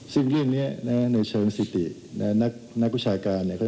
ซึ่งเรื่องนี้ในเชิงสิตินักวิชาการเนี่ย